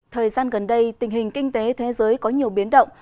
thời gian gần đây tình hình kinh tế thế giới có nhiều biến động